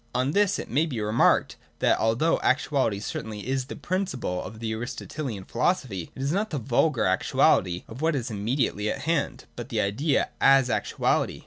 On this it may be remarked : that although actuality certainly is the principle of the Aristotelian philosophy, it is not the vulgar actuality of what is imme diately at hand, but the idea as actuality.